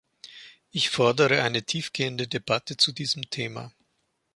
Ich fordere eine tiefgehende Debatte zu diesem Thema.